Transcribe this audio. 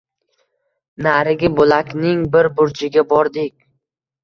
Narigi boʻlakning bir burchiga bordik.